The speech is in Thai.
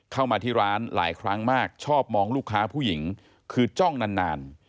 เข้ามาที่ร้านหลายครั้งมากชอบมองลูกค้าผู้หญิงคือจ้องนาน